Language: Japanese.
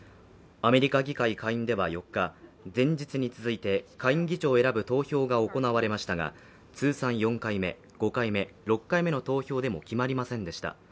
アメリカ議会下院では４日前日に続いて下院議長を選ぶ投票が行われましたが、通算４回目、５回目、６回目の投票でも決まりませんでした。